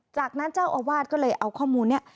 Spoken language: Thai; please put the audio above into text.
จากนั้นเจ้าอาวาสก็เลยเอาข้อมูลนี้